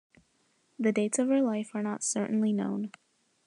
The dates of her life are not certainly known.